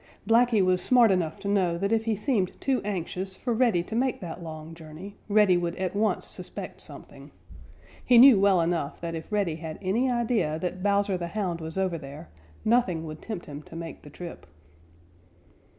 Blacky was smart enough to know that if he seemed too anxious for Reddy to make that long journey, Reddy would at once suspect something. He knew well enough that if Reddy had any idea that Bowser the Hound was over there, nothing would tempt him to make the trip.